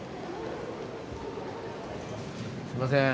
すいません。